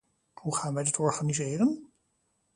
Hoe gaan wij dat organiseren?